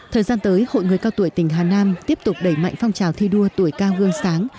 thời gian tới hội người cao tuổi tỉnh hà nam tiếp tục đẩy mạnh phong trào thi đua tuổi cao gương sáng